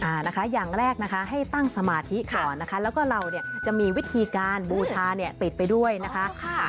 อ่านะคะอย่างแรกนะคะให้ตั้งสมาธิก่อนนะคะแล้วก็เราเนี่ยจะมีวิธีการบูชาเนี่ยติดไปด้วยนะคะ